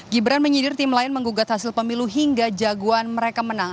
gibran menyindir tim lain menggugat hasil pemilu hingga jagoan mereka menang